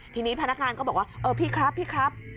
ทีนี้พนักงานก็บอกว่าเออพี่ครับ